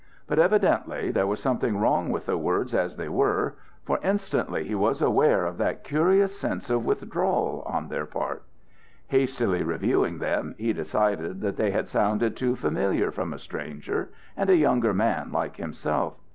But evidently there was something wrong with the words as they were, for instantly he was aware of that curious sense of withdrawal on their part. Hastily reviewing them, he decided that they had sounded too familiar from a stranger and a younger man like himself.